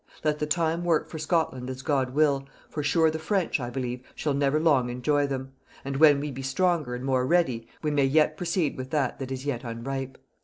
Let the time work for Scotland as God will, for sure the French, I believe, shall never long enjoy them: and when we be stronger and more ready, we may proceed with that, that is yet unripe.